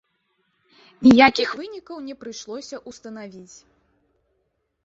Ніякіх вынікаў не прыйшлося ўстанавіць.